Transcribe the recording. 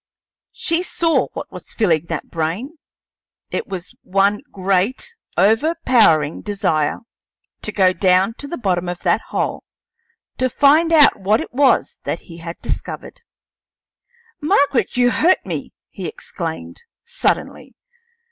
She saw what was filling that brain; it was one great, overpowering desire to go down to the bottom of that hole, to find out what it was that he had discovered. "Margaret, you hurt me!" he exclaimed, suddenly.